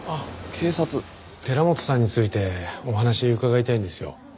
寺本さんについてお話伺いたいんですよ。